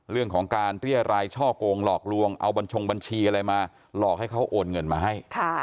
เรื่องของการเรียรายช่อกงหลอกลวงเอาบัญชงบัญชีอะไรมาหลอกให้เขาโอนเงินมาให้